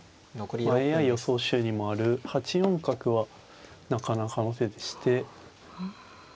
ＡＩ予想手にもある８四角はなかなかの手でして。